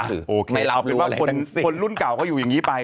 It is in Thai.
เอาเป็นว่าคนรุ่นเก่าเขาอยู่อย่างนี้ไป